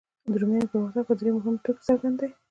د رومیانو پرمختګ په دریو مهمو ټکو کې څرګند دی.